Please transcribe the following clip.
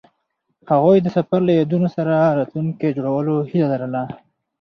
هغوی د سفر له یادونو سره راتلونکی جوړولو هیله لرله.